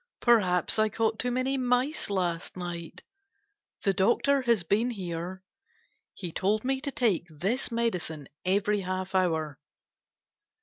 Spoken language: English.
Perhaps I caught too many mice last night. The doctor has been here. He told me to take this medicine every half hour.